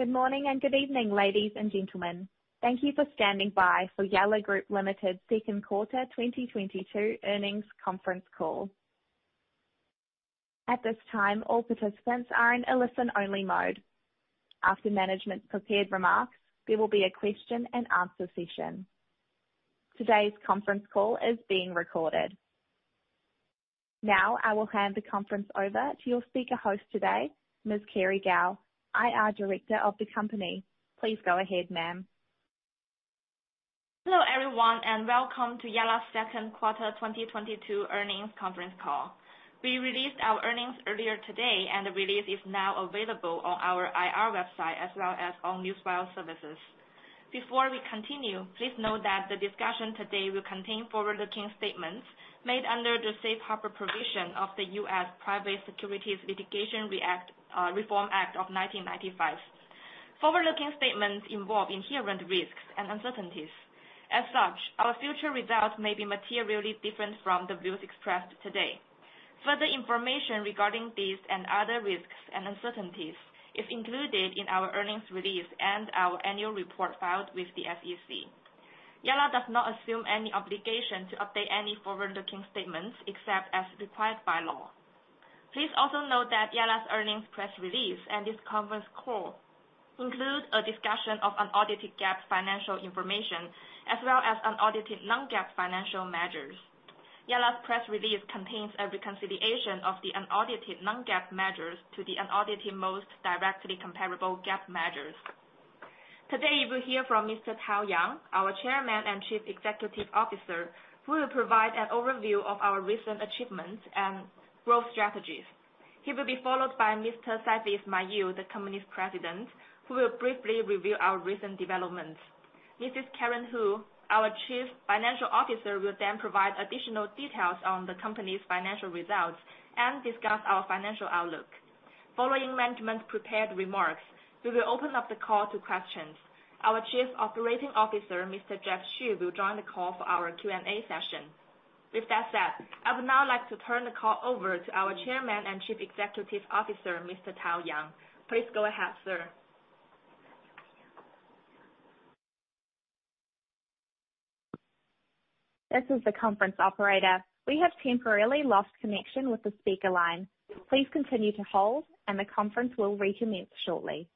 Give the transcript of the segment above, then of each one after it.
Good morning and good evening, ladies and gentlemen. Thank you for standing by for Yalla Group Limited second quarter 2022 earnings conference call. At this time, all participants are in a listen-only mode. After management's prepared remarks, there will be a question-and-answer session. Today's conference call is being recorded. Now, I will hand the conference over to your speaker host today, Ms. Kerry Gao, IR Director of the company. Please go ahead, ma'am. Hello, everyone, and welcome to Yalla second quarter 2022 earnings conference call. We released our earnings earlier today, and the release is now available on our IR website as well as all news wire services. Before we continue, please note that the discussion today will contain forward-looking statements made under the Safe Harbor provision of the U.S. Private Securities Litigation Reform Act of 1995. Forward-looking statements involve inherent risks and uncertainties. As such, our future results may be materially different from the views expressed today. Further information regarding these and other risks and uncertainties is included in our earnings release and our annual report filed with the SEC. Yalla does not assume any obligation to update any forward-looking statements except as required by law. Please also note that Yalla's earnings press release and this conference call include a discussion of unaudited GAAP financial information as well as unaudited non-GAAP financial measures. Yalla's press release contains a reconciliation of the unaudited non-GAAP measures to the unaudited most directly comparable GAAP measures. Today, you will hear from Mr. Tao Yang, our Chairman and Chief Executive Officer, who will provide an overview of our recent achievements and growth strategies. He will be followed by Mr. Saifi Ismail, the company's President, who will briefly review our recent developments. Mrs. Karen Hu, our Chief Financial Officer, will then provide additional details on the company's financial results and discuss our financial outlook. Following management prepared remarks, we will open up the call to questions. Our Chief Operating Officer, Mr. Jianfeng Xu, will join the call for our Q&A session. With that said, I would now like to turn the call over to our Chairman and Chief Executive Officer, Mr. Tao Yang. Please go ahead, sir. This is the conference operator. We have temporarily lost connection with the speaker line. Please continue to hold, and the conference will recommence shortly.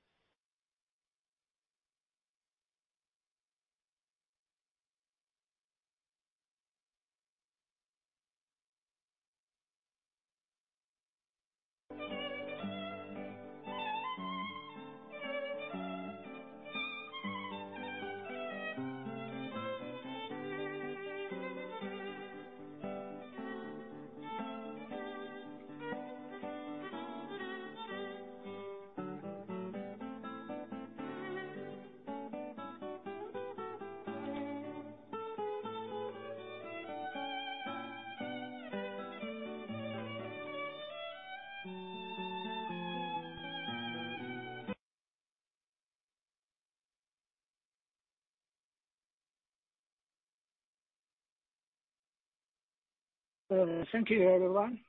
Thank you everyone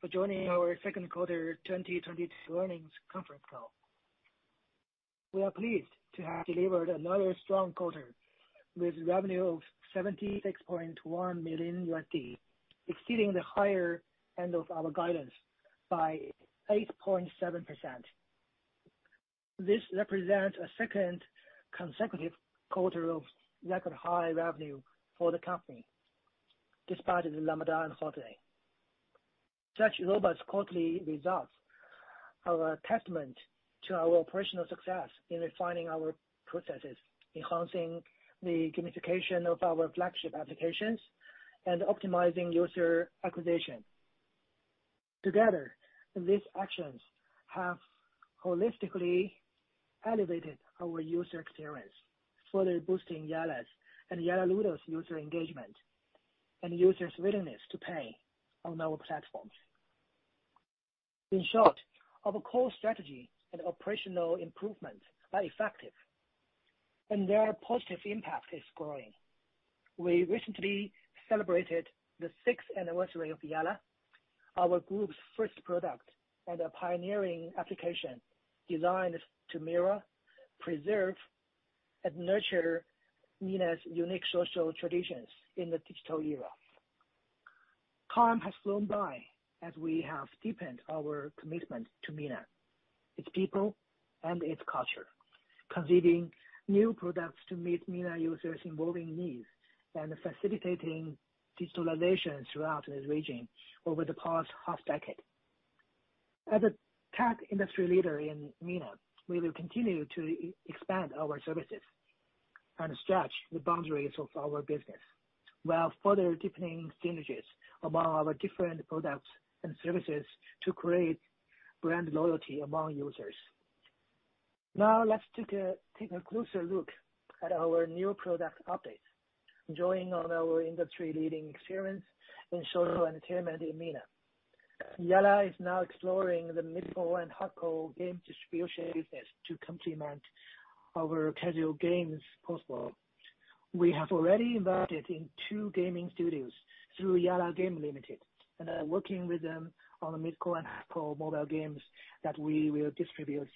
for joining our second quarter 2022 earnings conference call. We are pleased to have delivered another strong quarter with revenue of $76.1 million, exceeding the higher end of our guidance by 8.7%. This represents a second consecutive quarter of record high revenue for the company despite the Ramadan holiday. Such robust quarterly results are a testament to our operational success in refining our processes, enhancing the communication of our flagship applications and optimizing user acquisition. Together, these actions have holistically elevated our user experience, further boosting Yalla's and Yalla Ludo's user engagement and users' willingness to pay on our platforms. In short, our core strategy and operational improvements are effective, and their positive impact is growing. We recently celebrated the sixth anniversary of Yalla, our group's first product and a pioneering application designed to mirror, preserve, and nurture MENA's unique social traditions in the digital era. Time has flown by as we have deepened our commitment to MENA, its people and its culture, conceiving new products to meet MENA users' evolving needs and facilitating digitalization throughout the region over the past half-decade. As a tech industry leader in MENA, we will continue to expand our services and stretch the boundaries of our business while further deepening synergies among our different products and services to create brand loyalty among users. Now, let's take a closer look at our new product updates, drawing on our industry-leading experience in social entertainment in MENA. Yalla is now exploring the mid-core and hard-core game distribution business to complement our casual games portfolio. We have already invested in two gaming studios through Yalla Game Limited and are working with them on the mid-core and hard-core mobile games that we will distribute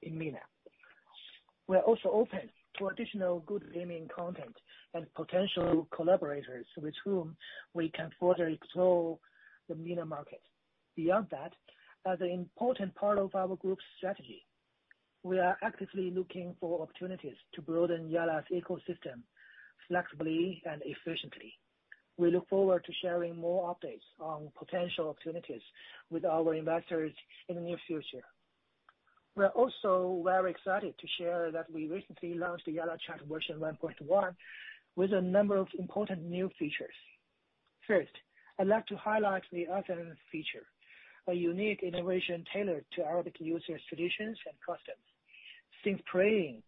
in MENA. We are also open to additional good gaming content and potential collaborators with whom we can further explore the MENA market. Beyond that, as an important part of our group's strategy, we are actively looking for opportunities to broaden Yalla's ecosystem flexibly and efficiently. We look forward to sharing more updates on potential opportunities with our investors in the near future. We are also very excited to share that we recently launched the YallaChat version 1.1 with a number of important new features. First, I'd like to highlight the Azan feature, a unique innovation tailored to Arabic users' traditions and customs. Since praying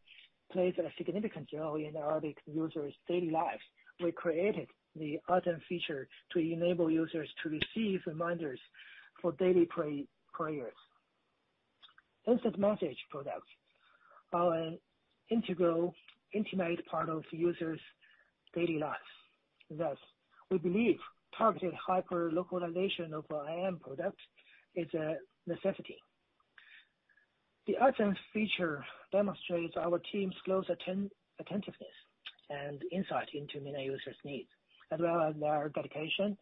plays a significant role in Arabic users' daily lives, we created the Azan feature to enable users to receive reminders for daily prayers. Instant message products are an integral, intimate part of users' daily lives. Thus, we believe targeted hyper-localization of IM product is a necessity. The Azan feature demonstrates our team's close attentiveness and insight into MENA users' needs, as well as our dedication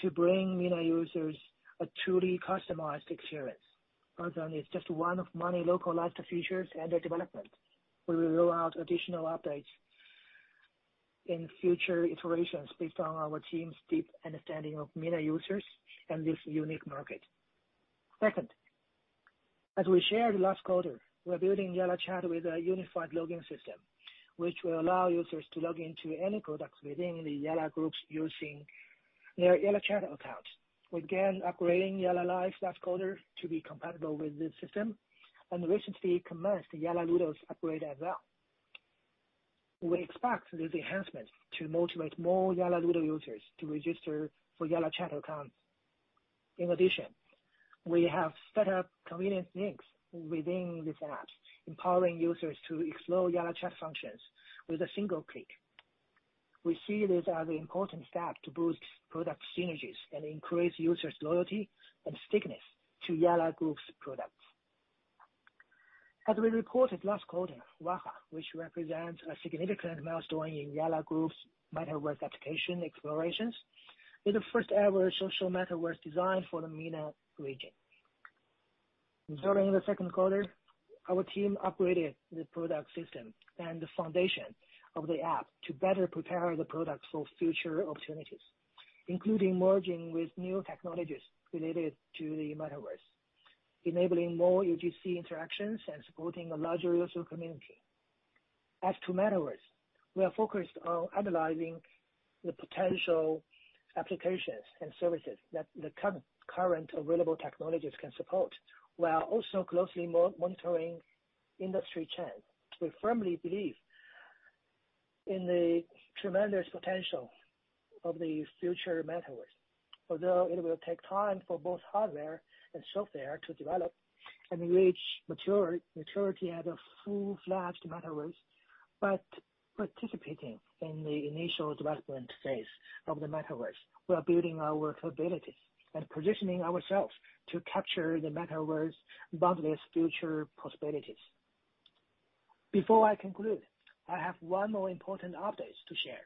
to bring MENA users a truly customized experience. Azan is just one of many localized features under development. We will roll out additional updates in future iterations based on our team's deep understanding of MENA users and this unique market. Second, as we shared last quarter, we are building YallaChat with a unified login system, which will allow users to log into any products within the Yalla Group using their YallaChat account. We began upgrading Yalla Live last quarter to be compatible with this system and recently commenced Yalla Ludo's upgrade as well. We expect these enhancements to motivate more Yalla Ludo users to register for YallaChat accounts. In addition, we have set up convenient links within these apps, empowering users to explore YallaChat functions with a single click. We see these as an important step to boost product synergies and increase users' loyalty and stickiness to Yalla Group's products. As we reported last quarter, Waha, which represents a significant milestone in Yalla Group's metaverse application explorations, is the first-ever social metaverse designed for the MENA region. During the second quarter, our team upgraded the product system and the foundation of the app to better prepare the product for future opportunities, including merging with new technologies related to the metaverse, enabling more UGC interactions, and supporting a larger user community. As to metaverse, we are focused on analyzing the potential applications and services that the current available technologies can support, while also closely monitoring industry trends. We firmly believe in the tremendous potential of the future metaverse. Although it will take time for both hardware and software to develop and reach maturity as a full-fledged metaverse. By participating in the initial development phase of the metaverse, we are building our capabilities and positioning ourselves to capture the metaverse boundless future possibilities. Before I conclude, I have one more important update to share.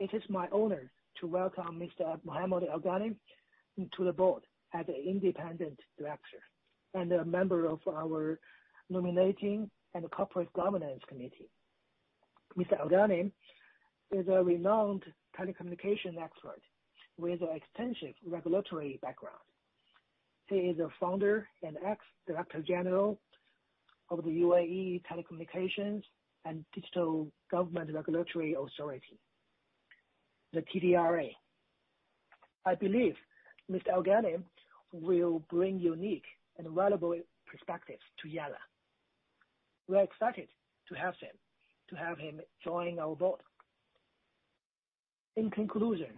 It is my honor to welcome Mr. Mohamed Al Ghanim into the board as an independent director and a member of our Nominating and Corporate Governance Committee. Mr. Al Ghanim is a renowned telecommunications expert with extensive regulatory background. He is a founder and ex-director general of the UAE Telecommunications and Digital Government Regulatory Authority, the TDRA. I believe Mr. Al Ghanim will bring unique and valuable perspectives to Yalla. We are excited to have him join our board. In conclusion,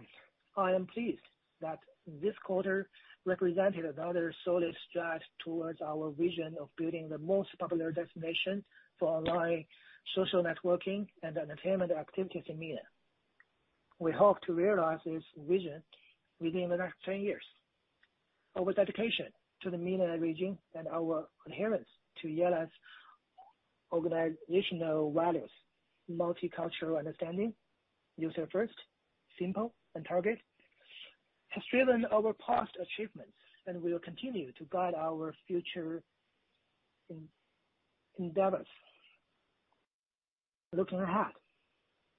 I am pleased that this quarter represented another solid stride towards our vision of building the most popular destination for online social networking and entertainment activities in MENA. We hope to realize this vision within the next 10 years. Our dedication to the MENA region and our adherence to Yalla's organizational values, multicultural understanding, user first, simple and targeted, has driven our past achievements and will continue to guide our future endeavors. Looking ahead,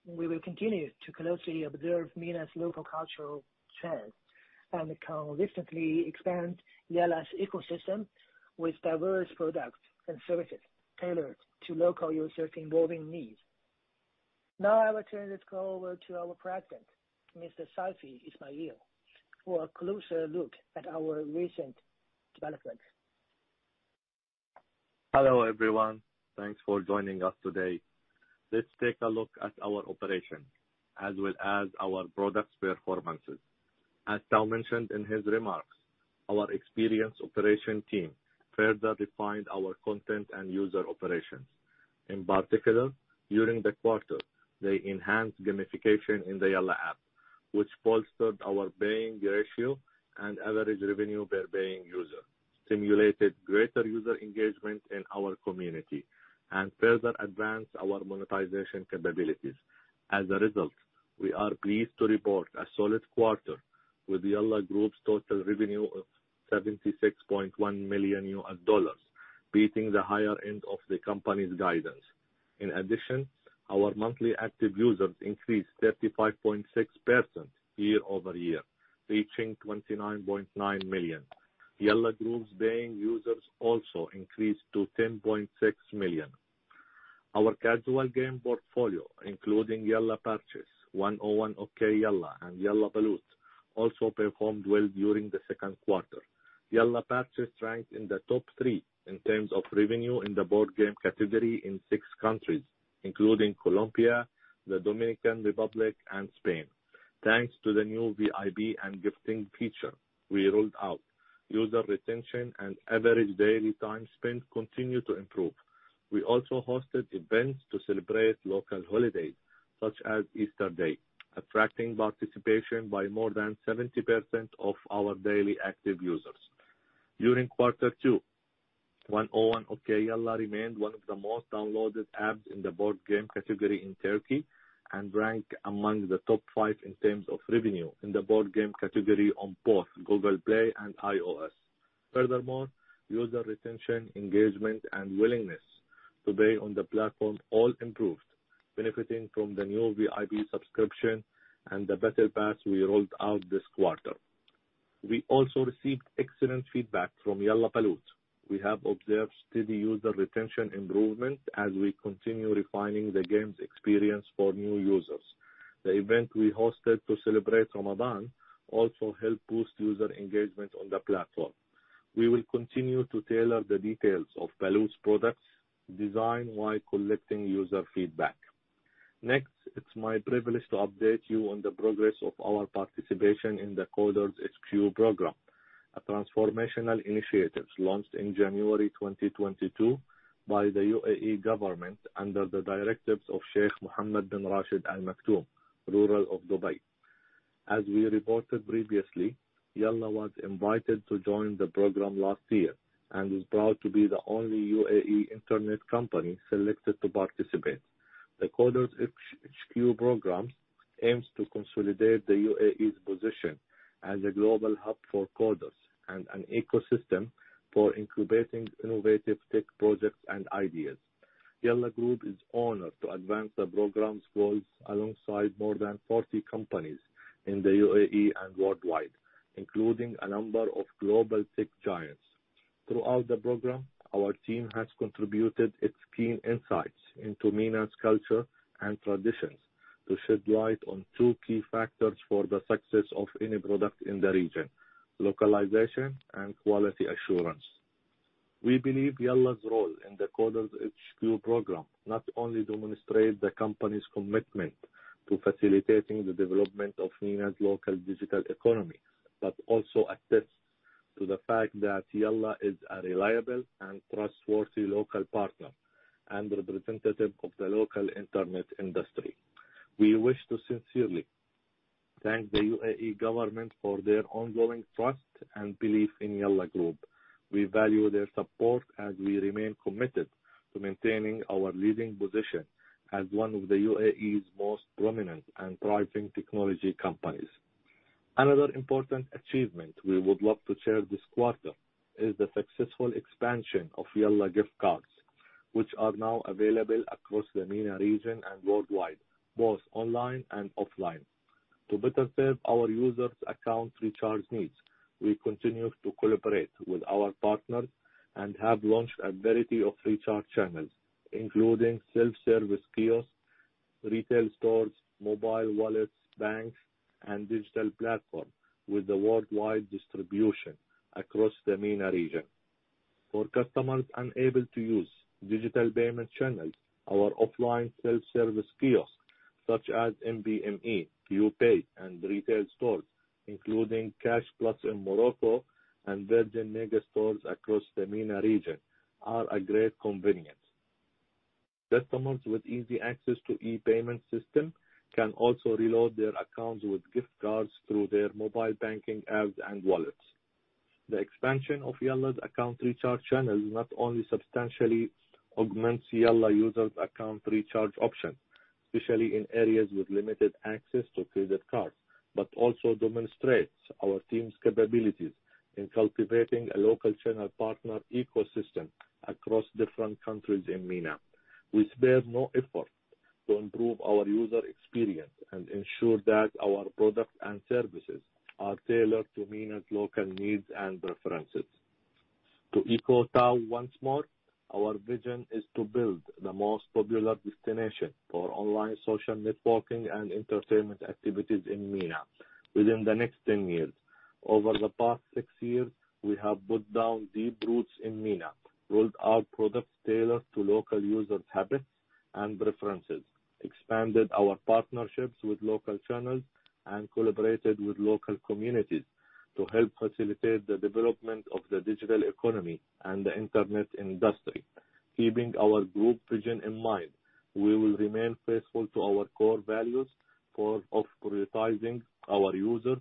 we will continue to closely observe MENA's local cultural trends and consistently expand Yalla's ecosystem with diverse products and services tailored to local users evolving needs. Now I will turn this call over to our President, Mr. Saifi Ismail, for a closer look at our recent developments. Hello, everyone. Thanks for joining us today. Let's take a look at our operations as well as our products performances. As Tao Yang mentioned in his remarks, our experienced operation team further refined our content and user operations. In particular, during the quarter, they enhanced gamification in the Yalla app, which bolstered our paying ratio and average revenue per paying user, stimulated greater user engagement in our community, and further advanced our monetization capabilities. As a result, we are pleased to report a solid quarter with Yalla Group's total revenue of $76.1 million, beating the higher end of the company's guidance. In addition, our monthly active users increased 35.6% year-over-year, reaching 29.9 million. Yalla Group's paying users also increased to 10.6 million. Our casual game portfolio, including Yalla Parchis, 101 Okey Yalla, and Yalla Baloot, also performed well during the second quarter. Yalla Parchis ranked in the top three in terms of revenue in the board game category in six countries, including Colombia, the Dominican Republic, and Spain. Thanks to the new VIP and gifting feature we rolled out, user retention and average daily time spent continued to improve. We also hosted events to celebrate local holidays, such as Easter Day, attracting participation by more than 70% of our daily active users. During quarter two, 101 Okey Yalla remained one of the most downloaded apps in the board game category in Turkey and ranked among the top five in terms of revenue in the board game category on both Google Play and iOS. Furthermore, user retention, engagement, and willingness to pay on the platform all improved, benefiting from the new VIP subscription and the battle pass we rolled out this quarter. We also received excellent feedback from Yalla Baloot. We have observed steady user retention improvement as we continue refining the game's experience for new users. The event we hosted to celebrate Ramadan also helped boost user engagement on the platform. We will continue to tailor the details of Baloot's product design while collecting user feedback. Next, it's my privilege to update you on the progress of our participation in the Coders HQ program, a transformational initiative launched in January 2022 by the UAE government under the directives of Sheikh Mohammed bin Rashid Al Maktoum, ruler of Dubai. As we reported previously, Yalla was invited to join the program last year and is proud to be the only UAE internet company selected to participate. The Coders HQ program aims to consolidate the UAE's position as a global hub for coders and an ecosystem for incubating innovative tech projects and ideas. Yalla Group is honored to advance the program's goals alongside more than forty companies in the UAE and worldwide, including a number of global tech giants. Throughout the program, our team has contributed its keen insights into MENA's culture and traditions to shed light on two key factors for the success of any product in the region, localization and quality assurance. We believe Yalla's role in the Coders HQ program not only demonstrates the company's commitment to facilitating the development of MENA's local digital economy, but also attests to the fact that Yalla is a reliable and trustworthy local partner and representative of the local internet industry. We wish to sincerely thank the UAE government for their ongoing trust and belief in Yalla Group. We value their support as we remain committed to maintaining our leading position as one of the UAE's most prominent and thriving technology companies. Another important achievement we would love to share this quarter is the successful expansion of Yalla gift cards, which are now available across the MENA region and worldwide, both online and offline. To better serve our users' account recharge needs, we continue to collaborate with our partners and have launched a variety of recharge channels, including self-service kiosks, retail stores, mobile wallets, banks, and digital platforms with a worldwide distribution across the MENA region. For customers unable to use digital payment channels, our offline self-service kiosks such as MBME, QPAY, and retail stores, including Cash Plus in Morocco and Virgin Megastores across the MENA region, are a great convenience. Customers with easy access to e-payment system can also reload their accounts with gift cards through their mobile banking apps and wallets. The expansion of Yalla's account recharge channels not only substantially augments Yalla users' account recharge option, especially in areas with limited access to credit cards, but also demonstrates our team's capabilities in cultivating a local channel partner ecosystem across different countries in MENA. We spare no effort to improve our user experience and ensure that our products and services are tailored to MENA's local needs and preferences. To echo Tao once more, our vision is to build the most popular destination for online social networking and entertainment activities in MENA within the next 10 years. Over the past six years, we have put down deep roots in MENA, rolled out products tailored to local users' habits and preferences, expanded our partnerships with local channels, and collaborated with local communities to help facilitate the development of the digital economy and the internet industry. Keeping our group vision in mind, we will remain faithful to our core values of prioritizing our users,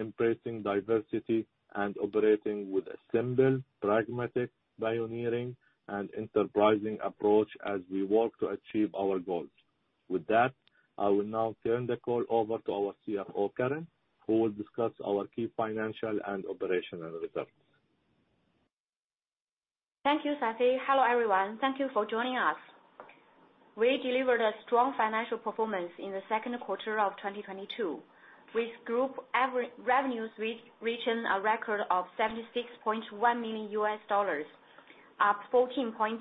embracing diversity, and operating with a simple, pragmatic, pioneering, and enterprising approach as we work to achieve our goals. With that, I will now turn the call over to our CFO, Karen, who will discuss our key financial and operational results. Thank you, Saifi. Hello, everyone. Thank you for joining us. We delivered a strong financial performance in the second quarter of 2022, with group average revenues reaching a record of $76.1 million, up 14.2%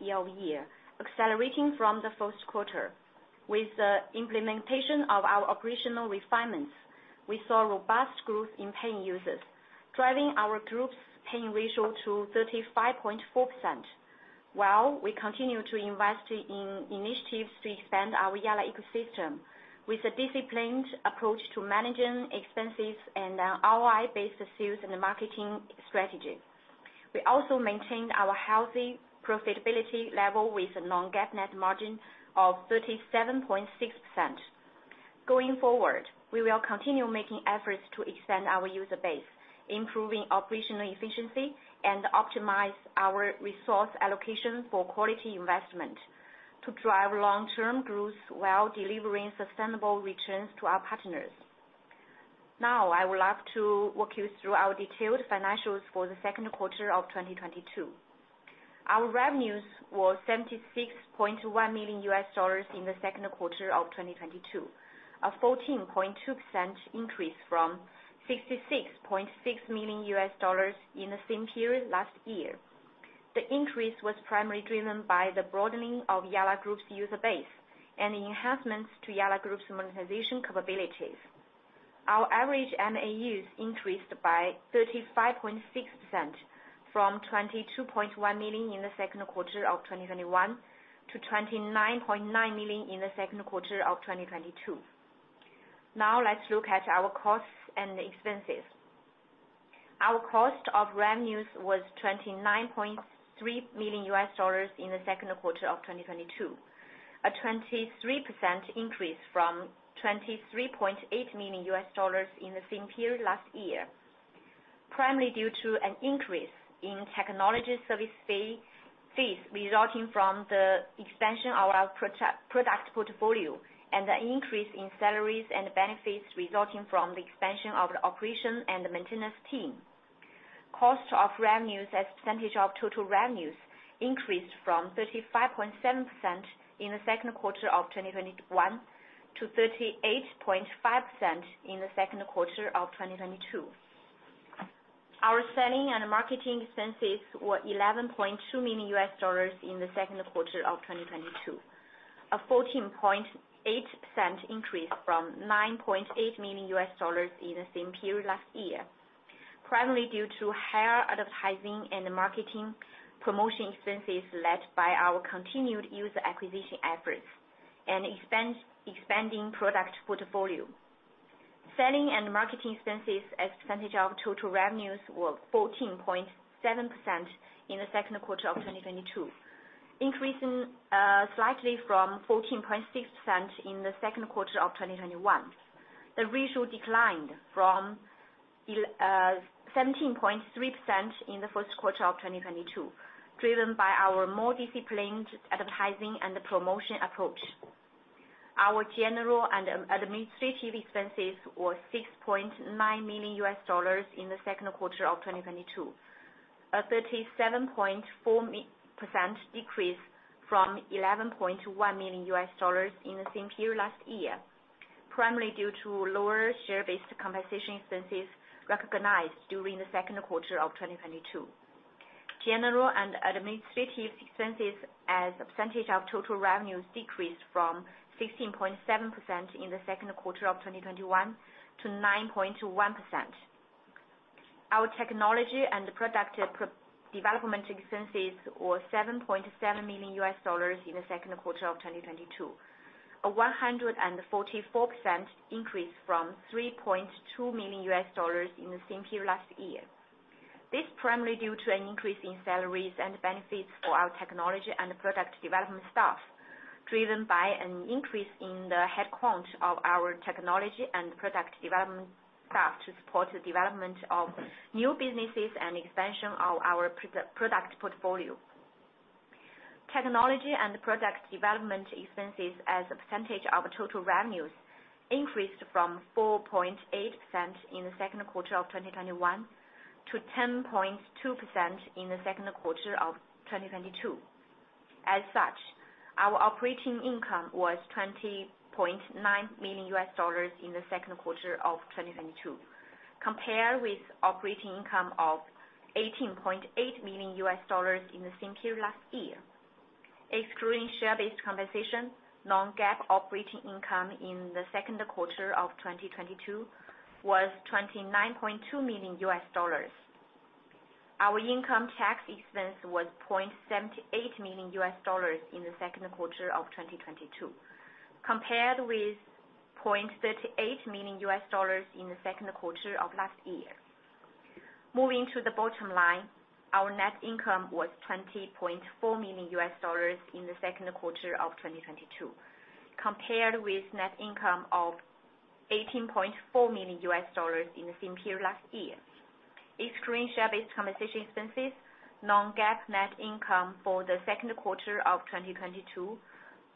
year-over-year, accelerating from the first quarter. With the implementation of our operational refinements, we saw robust growth in paying users, driving our group's paying ratio to 35.4%, while we continue to invest in initiatives to expand our Yalla ecosystem with a disciplined approach to managing expenses and ROI-based sales and marketing strategy. We also maintained our healthy profitability level with a non-GAAP net margin of 37.6%. Going forward, we will continue making efforts to expand our user base, improving operational efficiency, and optimize our resource allocation for quality investment to drive long-term growth while delivering sustainable returns to our partners. Now, I would like to walk you through our detailed financials for the second quarter of 2022. Our revenues were $76.1 million in the second quarter of 2022, a 14.2% increase from $66.6 million in the same period last year. The increase was primarily driven by the broadening of Yalla Group's user base and enhancements to Yalla Group's monetization capabilities. Our average MAUs increased by 35.6% from 22.1 million in the second quarter of 2021 to 29.9 million in the second quarter of 2022. Now let's look at our costs and expenses. Our cost of revenues was $29.3 million in the second quarter of 2022, a 23% increase from $23.8 million in the same period last year, primarily due to an increase in technology service fee, fees resulting from the expansion of our product portfolio and an increase in salaries and benefits resulting from the expansion of the operation and the maintenance team. Cost of revenues as a percentage of total revenues increased from 35.7% in the second quarter of 2021 to 38.5% in the second quarter of 2022. Our selling and marketing expenses were $11.2 million in the second quarter of 2022, a 14.8% increase from $9.8 million in the same period last year, primarily due to higher advertising and marketing promotion expenses led by our continued user acquisition efforts and expenses expanding product portfolio. Selling and marketing expenses as a percentage of total revenues were 14.7% in the second quarter of 2022, increasing slightly from 14.6% in the second quarter of 2021. The ratio declined from 17.3% in the first quarter of 2022, driven by our more disciplined advertising and promotion approach. Our general and administrative expenses were $6.9 million in the second quarter of 2022, a 37.4% decrease from $11.1 million in the same period last year, primarily due to lower share-based compensation expenses recognized during the second quarter of 2022. General and administrative expenses as a percentage of total revenues decreased from 16.7% in the second quarter of 2021 to 9.1%. Our technology and product development expenses were $7.7 million in the second quarter of 2022, a 144% increase from $3.2 million in the same period last year. This is primarily due to an increase in salaries and benefits for our technology and product development staff, driven by an increase in the headcount of our technology and product development staff to support the development of new businesses and expansion of our product portfolio. Technology and product development expenses as a percentage of total revenues increased from 4.8% in the second quarter of 2021 to 10.2% in the second quarter of 2022. Our operating income was $20.9 million in the second quarter of 2022, compared with operating income of $18.8 million in the same period last year. Excluding share-based compensation, non-GAAP operating income in the second quarter of 2022 was $29.2 million. Our income tax expense was $0.78 million in the second quarter of 2022, compared with $0.38 million in the second quarter of last year. Moving to the bottom line, our net income was $20.4 million in the second quarter of 2022, compared with net income of $18.4 million in the same period last year. Excluding share-based compensation expenses, non-GAAP net income for the second quarter of 2022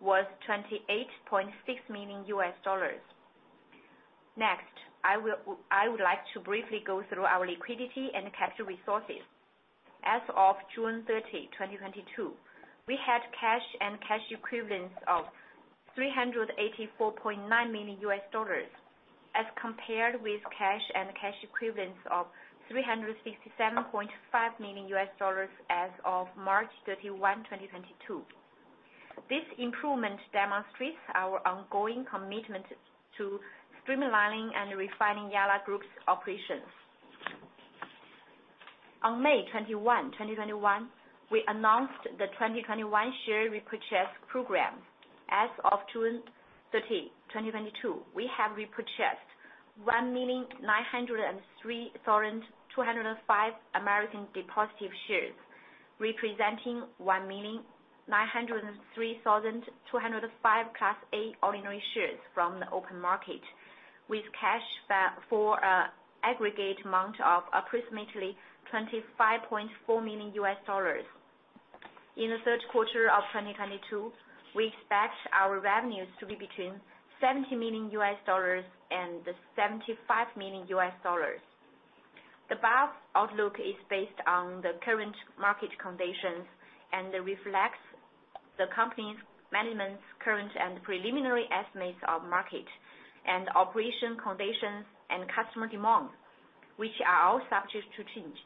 was $28.6 million. I would like to briefly go through our liquidity and cash resources. As of June 30, 2022, we had cash and cash equivalents of $384.9 million as compared with cash and cash equivalents of $367.5 million as of March 31, 2022. This improvement demonstrates our ongoing commitment to streamlining and refining Yalla Group's operations. On May 21, 2021, we announced the 2021 share repurchase program. As of June 30, 2022, we have repurchased 1,903,205 American Depositary Shares, representing 1,903,205 Class A ordinary shares from the open market with cash for aggregate amount of approximately $25.4 million. In the third quarter of 2022, we expect our revenues to be between $70 million and $75 million. The above outlook is based on the current market conditions and reflects the company's management's current and preliminary estimates of market and operation conditions and customer demand, which are all subject to change.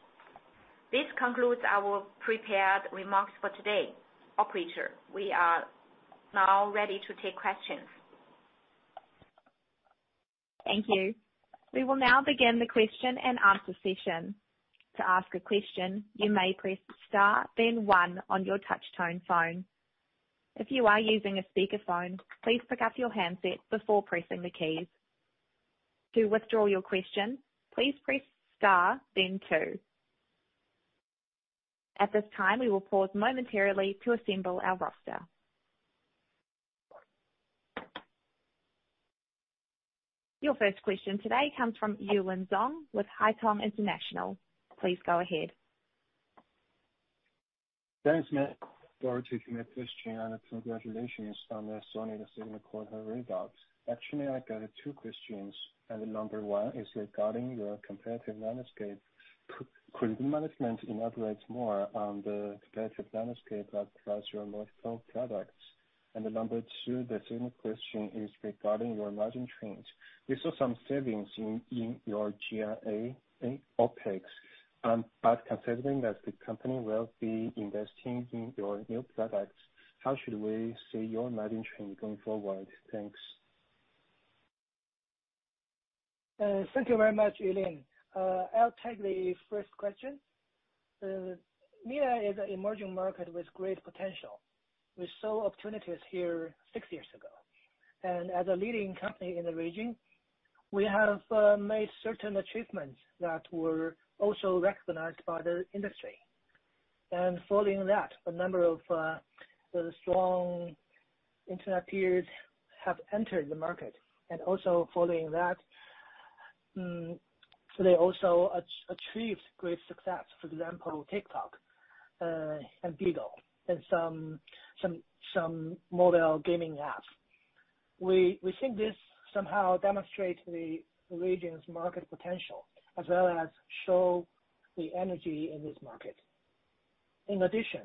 This concludes our prepared remarks for today. Operator, we are now ready to take questions. Thank you. We will now begin the question and answer session. To ask a question, you may press star then one on your touch tone phone. If you are using a speakerphone, please pick up your handset before pressing the keys. To withdraw your question, please press star then two. At this time, we will pause momentarily to assemble our roster. Your first question today comes from Yulin Zhong with Haitong International. Please go ahead. Thanks, ma'am for taking the question, and congratulations on the strong second quarter results. Actually, I got two questions, and number one is regarding your competitive landscape. Could management elaborate more on the competitive landscape across your multiple products? Number two, the second question is regarding your margin trends. We saw some savings in your G&A and OpEx, but considering that the company will be investing in your new products, how should we see your margin trend going forward? Thanks. Thank you very much, Yulin. I'll take the first question. MENA is an emerging market with great potential. We saw opportunities here six years ago, and as a leading company in the region, we have made certain achievements that were also recognized by the industry. Following that, a number of the strong internet peers have entered the market. Also following that, they also achieved great success. For example, TikTok and BIGO LIVE and some mobile gaming apps. We think this somehow demonstrates the region's market potential as well as show the energy in this market. In addition,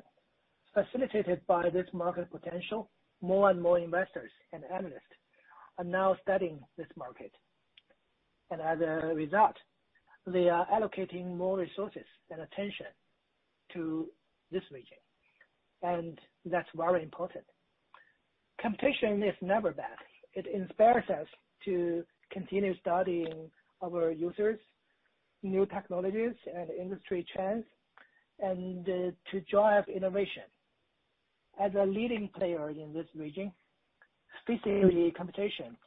facilitated by this market potential, more and more investors and analysts are now studying this market. As a result, they are allocating more resources and attention to this region, and that's very important. Competition is never bad. It inspires us to continue studying our users, new technologies and industry trends, and to drive innovation. As a leading player in this region, facing the competition,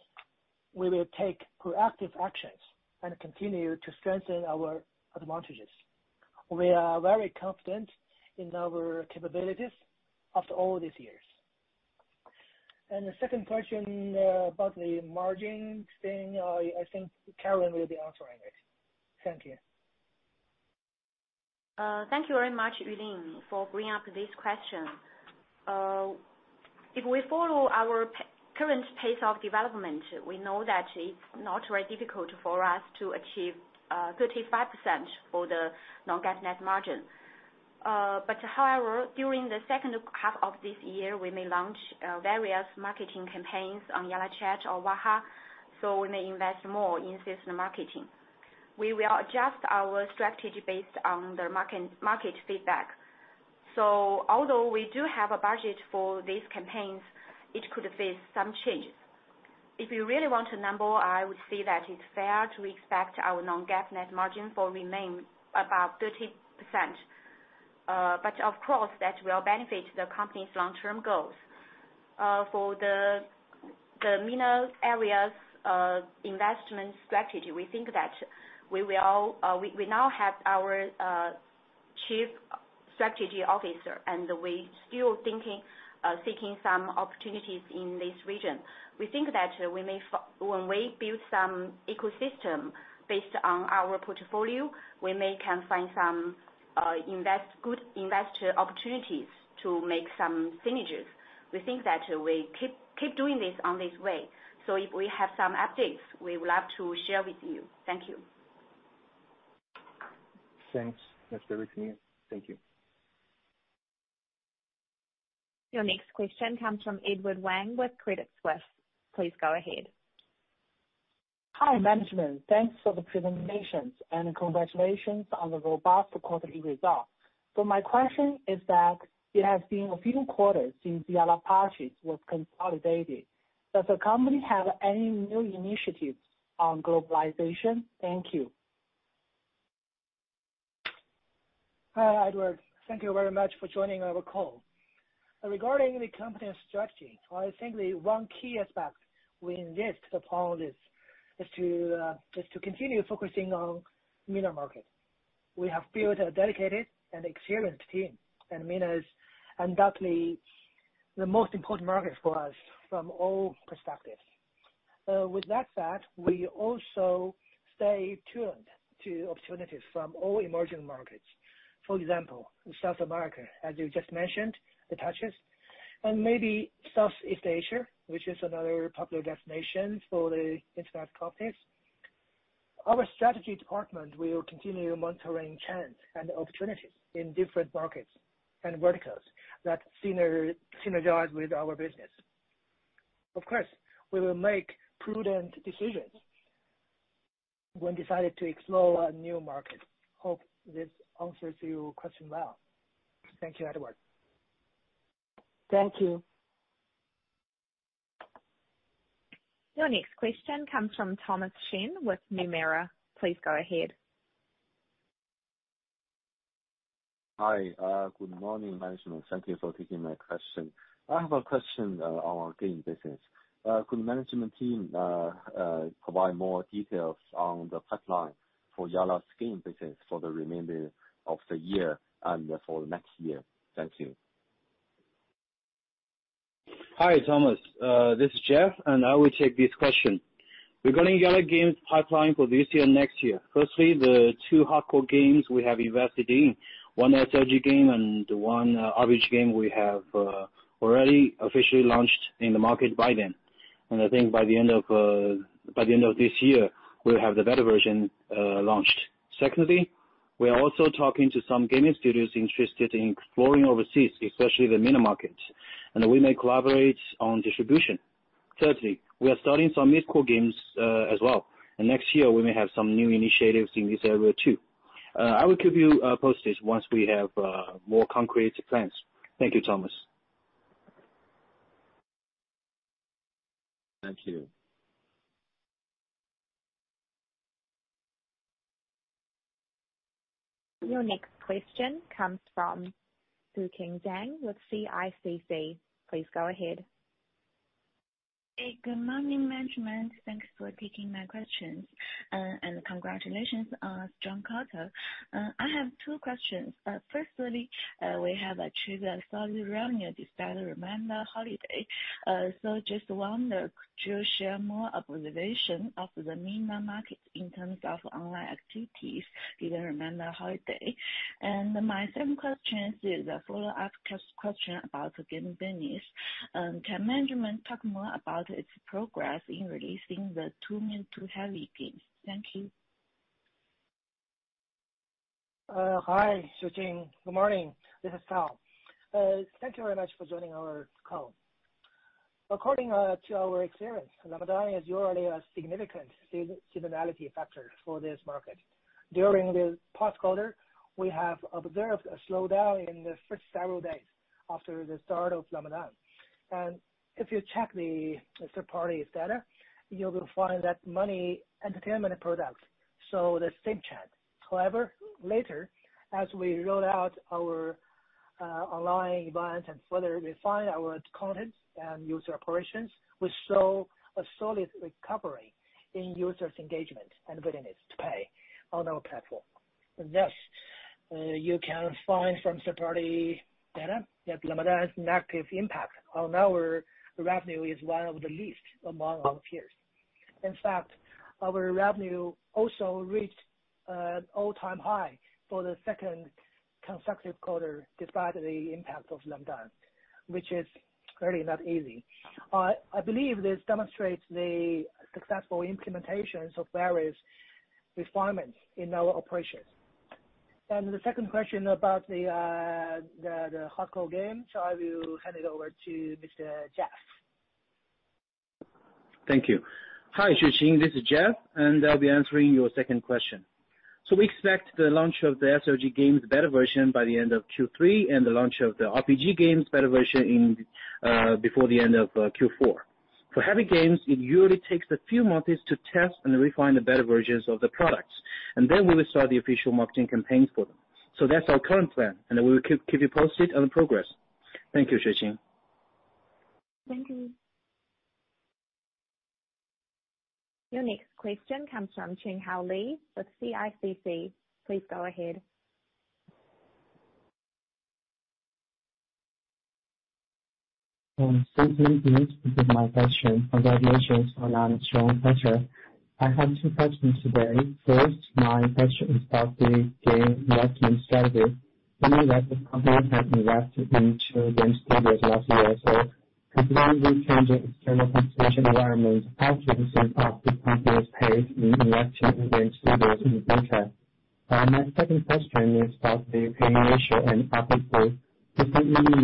we will take proactive actions and continue to strengthen our advantages. We are very confident in our capabilities after all these years. The second question, about the margin thing, I think Karen will be answering it. Thank you. Thank you very much, Yulin, for bringing up this question. If we follow our current pace of development, we know that it's not very difficult for us to achieve 35% for the non-GAAP net margin. But however, during the second half of this year, we may launch various marketing campaigns on YallaChat or Waha, so we may invest more in sales and marketing. We will adjust our strategy based on the market feedback. Although we do have a budget for these campaigns, it could face some changes. If you really want a number, I would say that it's fair to expect our non-GAAP net margin to remain above 13%. But of course, that will benefit the company's long-term goals. For the MENA areas investment strategy, we think that we now have our chief strategy officer, and we still seeking some opportunities in this region. We think that when we build some ecosystem based on our portfolio, we may can find some good investor opportunities to make some synergies. We think that we keep doing this in this way. If we have some updates, we would love to share with you. Thank you. Thanks, Yulin. Thank you. Your next question comes from Edward Wang with Credit Suisse. Please go ahead. Hi, management. Thanks for the presentations, and congratulations on the robust quarterly results. My question is that it has been a few quarters since the Yalla Parchis was consolidated. Does the company have any new initiatives on globalization? Thank you. Hi, Edward. Thank you very much for joining our call. Regarding the company's strategy, I think the one key aspect we insist upon is to continue focusing on MENA market. We have built a dedicated and experienced team, and MENA is undoubtedly the most important market for us from all perspectives. With that said, we also stay tuned to opportunities from all emerging markets. For example, South America, as you just mentioned, and the like, and maybe Southeast Asia, which is another popular destination for the international companies. Our strategy department will continue monitoring trends and opportunities in different markets and verticals that synergize with our business. Of course, we will make prudent decisions when decide to explore a new market. Hope this answers your question well. Thank you, Edward. Thank you. Your next question comes from Thomas Shen with Nomura. Please go ahead. Hi. Good morning, management. Thank you for taking my question. I have a question on game business. Could management team provide more details on the pipeline for Yalla's game business for the remainder of the year and for next year? Thank you. Hi, Thomas. This is Jeff, and I will take this question. Regarding Yalla games pipeline for this year, next year, firstly, the two hardcore games we have invested in, one SLG game and one RPG game we have already officially launched in the market by then. I think by the end of this year, we'll have the beta version launched. Secondly, we are also talking to some gaming studios interested in exploring overseas, especially the MENA markets, and we may collaborate on distribution. Thirdly, we are starting some mid-core games as well, and next year we may have some new initiatives in this area too. I will keep you posted once we have more concrete plans. Thank you, Thomas. Thank you. Your next question comes from Xueqing Zhang with CICC. Please go ahead. Hey, good morning, management. Thanks for taking my questions, and congratulations on strong quarter. I have two questions. Firstly, we have achieved a solid revenue despite Ramadan holiday. So just wonder, could you share more observation of the MENA market in terms of online activities during Ramadan holiday? My second question is a follow-up question about the game business. Can management talk more about its progress in releasing the two mid to heavy games? Thank you. Hi, Xueqing. Good morning. This is Tao. Thank you very much for joining our call. According to our experience, Ramadan is usually a significant seasonality factor for this market. During the past quarter, we have observed a slowdown in the first several days after the start of Ramadan. If you check the third-party data, you will find that many entertainment products, so does YallaChat. However, later, as we rolled out our online event and further refined our content and user operations, we saw a solid recovery in user engagement and willingness to pay on our platform. Thus, you can find from third-party data that Ramadan's negative impact on our revenue is one of the least among our peers. In fact, our revenue also reached all-time high for the second consecutive quarter despite the impact of Ramadan, which is really not easy. I believe this demonstrates the successful implementations of various refinements in our operations. The second question about the hardcore game, so I will hand it over to Mr. Jeff. Thank you. Hi, Xueqing, this is Jeff, and I'll be answering your second question. We expect the launch of the SLG games beta version by the end of Q3, and the launch of the RPG games beta version in before the end of Q4. For heavy games, it usually takes a few months to test and refine the beta versions of the products, and then we will start the official marketing campaigns for them. That's our current plan, and then we will keep you posted on the progress. Thank you, Xueqing. Thank you. Your next question comes from Chenghao Li with CICC. Please go ahead. Thank you. This is my question. Congratulations on a strong quarter. I have two questions today. First, my question is about the game investment strategy. We know that the company has invested into game studios last year, so considering the changing external competition environment, what is the company's pace in investing in game studios in the future. My second question is about the paying ratio and ARPPU. Recently we noticed that the macro environment in MENA region has been improving and growing despite the COVID-19 spreading in the region. Can the company share something with us about the improvement of the paying ratio and ARPPU of these products? Thank you. Hi, Chenghao,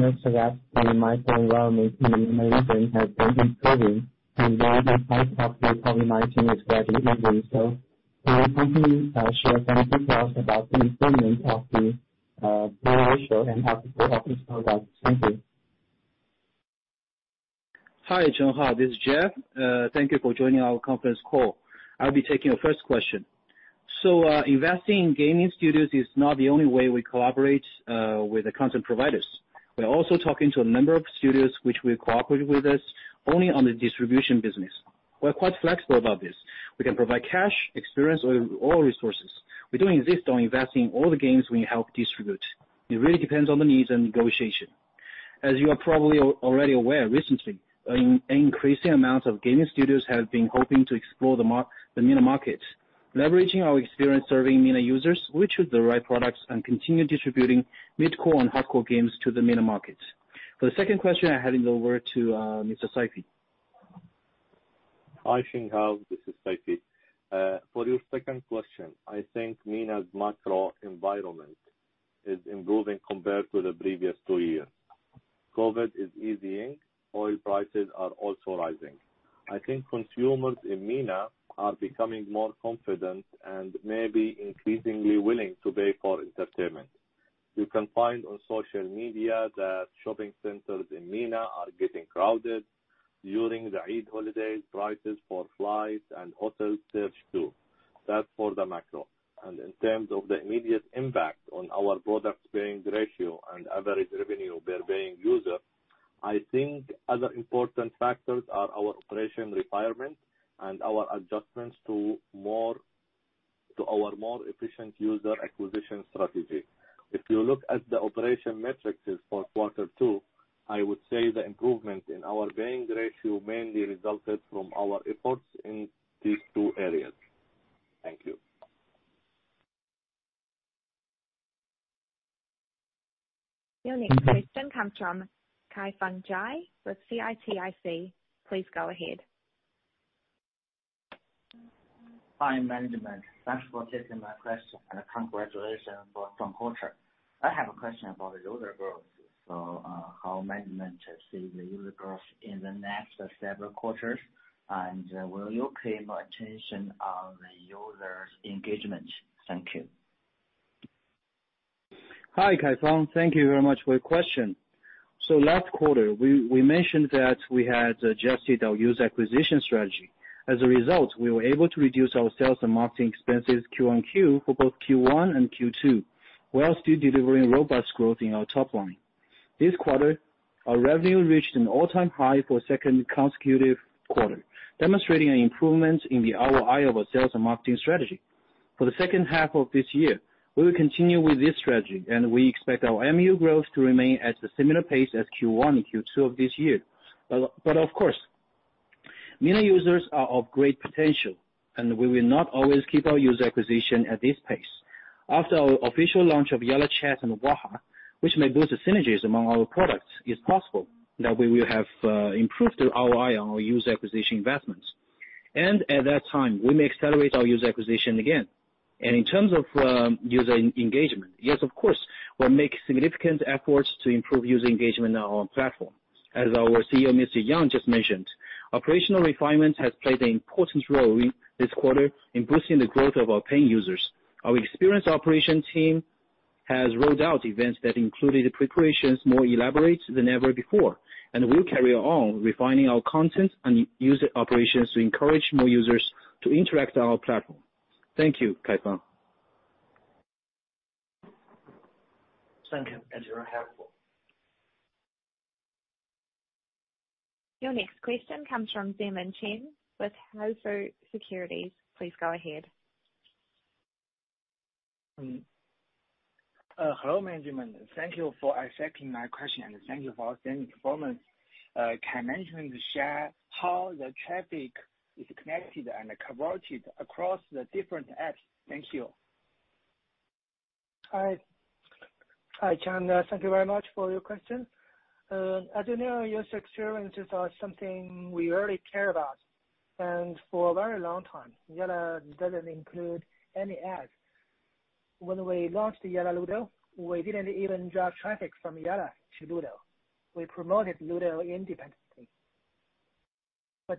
this is Jeff. Thank you for joining our conference call. I'll be taking your first question. Investing in gaming studios is not the only way we collaborate with the content providers. We're also talking to a number of studios which will cooperate with us only on the distribution business. We're quite flexible about this. We can provide cash, experience or all resources. We don't insist on investing in all the games we help distribute. It really depends on the needs and negotiation. As you are probably already aware, recently, an increasing amount of gaming studios have been hoping to explore the MENA market. Leveraging our experience serving MENA users, we choose the right products and continue distributing mid-core and hardcore games to the MENA markets. For the second question, I hand it over to Mr. Saifi. Hi, Chenghao, this is Saifi. For your second question, I think MENA's macro environment is improving compared to the previous two years. COVID is easing, oil prices are also rising. I think consumers in MENA are becoming more confident and may be increasingly willing to pay for entertainment. You can find on social media that shopping centers in MENA are getting crowded during the Eid holidays, prices for flights and hotel surge too. That's for the macro. In terms of the immediate impact on our products paying ratio and average revenue per paying user, I think other important factors are our operation requirements and our adjustments to our more efficient user acquisition strategy. If you look at the operation metrics for quarter two, I would say the improvement in our paying ratio mainly resulted from our efforts in these two areas. Thank you. Your next question comes from Kaifang Jia with CITIC. Please go ahead. Hi, management. Thanks for taking my question, and congratulations for a strong quarter. I have a question about the user growth. How management sees the user growth in the next several quarters? Will you pay more attention on the users' engagement? Thank you. Hi, Kaifang. Thank you very much for your question. Last quarter, we mentioned that we had adjusted our user acquisition strategy. As a result, we were able to reduce our sales and marketing expenses Q-on-Q for both Q1 and Q2, while still delivering robust growth in our top line. This quarter, our revenue reached an all-time high for a second consecutive quarter, demonstrating an improvement in the ROI of our sales and marketing strategy. For the second half of this year, we will continue with this strategy, and we expect our MAU growth to remain at the similar pace as Q1 and Q2 of this year. But of course, many users are of great potential, and we will not always keep our user acquisition at this pace. After our official launch of Yalla Chat and Waha, which may boost the synergies among our products, it's possible that we will have improved ROI on our user acquisition investments. At that time, we may accelerate our user acquisition again. In terms of user engagement, yes, of course, we'll make significant efforts to improve user engagement on our platform. As our CEO, Mr. Yang, just mentioned, operational refinements has played an important role in this quarter in boosting the growth of our paying users. Our experienced operations team has rolled out events that included preparations more elaborate than ever before, and we'll carry on refining our content and user operations to encourage more users to interact on our platform. Thank you, Kaifang. Thank you. Enjoy your half full. Your next question comes from Zemin Chen with Huafu Securities. Please go ahead. Hello, management. Thank you for accepting my question, and thank you for outstanding performance. Can management share how the traffic is connected and converted across the different apps? Thank you. Hi. Hi, Chen. Thank you very much for your question. As you know, user experiences are something we really care about. For a very long time, Yalla doesn't include any ads. When we launched Yalla Ludo, we didn't even drive traffic from Yalla to Ludo. We promoted Ludo independently.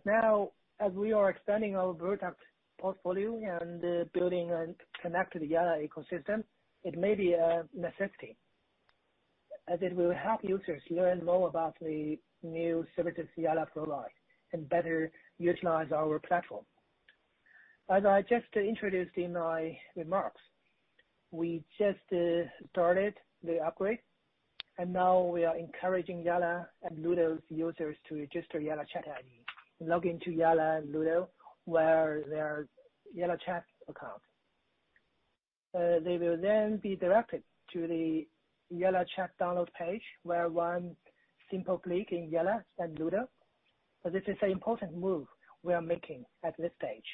Now, as we are expanding our product portfolio and building and connecting to the Yalla ecosystem, it may be a necessity, as it will help users learn more about the new services Yalla provides and better utilize our platform. As I just introduced in my remarks, we just started the upgrade, and now we are encouraging Yalla and Ludo's users to register Yalla Chat ID, log into Yalla and Ludo with their Yalla Chat account. They will then be directed to the Yalla Chat download page, with one simple click in Yalla and Ludo. This is an important move we are making at this stage,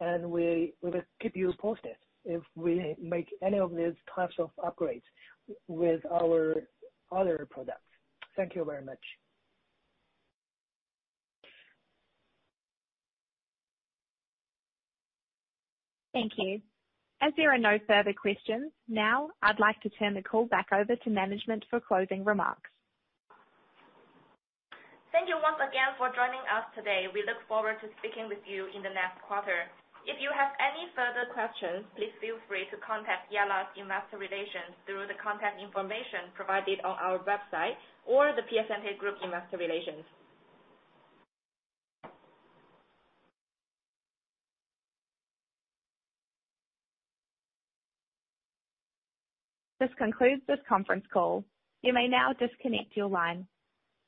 and we will keep you posted if we make any of these types of upgrades with our other products. Thank you very much. Thank you. As there are no further questions, now I'd like to turn the call back over to management for closing remarks. Thank you once again for joining us today. We look forward to speaking with you in the next quarter. If you have any further questions, please feel free to contact Yalla's investor relations through the contact information provided on our website or The Piacente Group investor relations. This concludes this conference call. You may now disconnect your line.